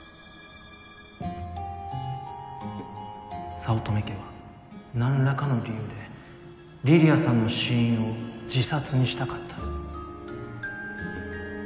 早乙女家は何らかの理由で梨里杏さんの死因を自殺にしたかった